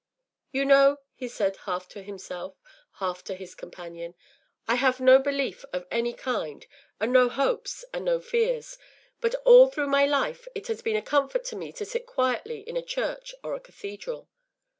“You know,” he said, half to himself, half to his companion, “I have no belief of any kind, and no hopes and no fears; but all through my life it has been a comfort to me to sit quietly in a church or a cathedral.